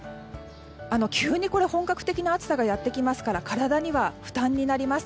急に本格的な暑さがやってきますから体には負担になります。